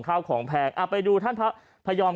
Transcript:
คุณผู้ชม